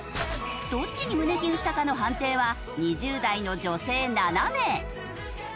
どっちに胸キュンしたかの判定は２０代の女性７名。